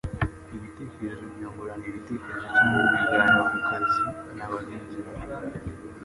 ibitekerezo byungurana ibitekerezo cyangwa ibiganiro ku kazi na bagenzi bawe